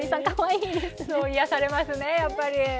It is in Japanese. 癒やされますね、やっぱり。